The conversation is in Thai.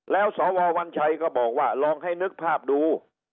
แล้วสววัญชัยก็บอกว่าลองให้นึกภาพดู